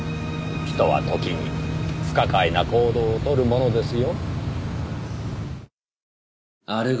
人は時に不可解な行動を取るものですよ。